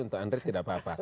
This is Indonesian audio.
untuk andri tidak apa apa